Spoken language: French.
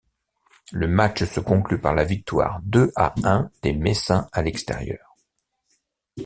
Le match se conclut par la victoire deux à un des Messins à l'extérieur.